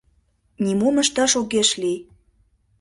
Нимом ышташ огеш лий.